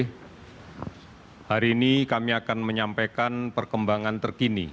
hari ini kami akan menyampaikan perkembangan terkini